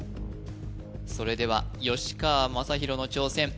それでは吉川正洋の挑戦